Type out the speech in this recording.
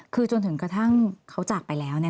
คือจนถึงกระทั่งเขาจากไปแล้วเนี่ย